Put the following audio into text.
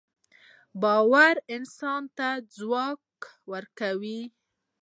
باورانسان ته ځواک ورکوي